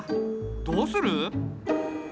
どうする？